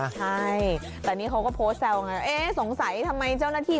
ใช่แต่นี่เขาก็โพสต์แซวไงเอ๊ะสงสัยทำไมเจ้าหน้าที่